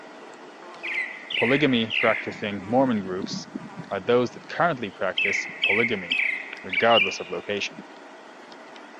Polygamy-Practicing Mormon groups are those that currently practice polygamy, regardless of location.